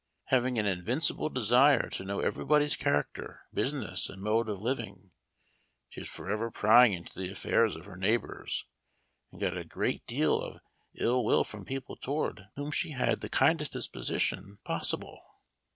Having an invincible desire to know everybody's character, business, and mode of living, she was forever prying into the affairs of her neighbors, and got a great deal of ill will from people toward whom she had the kindest disposition possible.